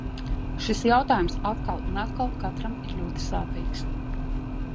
Šis jautājums atkal un atkal katram ir ļoti sāpīgs.